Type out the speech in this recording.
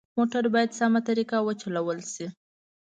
موټر باید سمه طریقه وچلول شي.